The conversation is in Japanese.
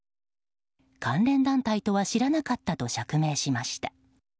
関連団体とは知らなかったと釈明しました。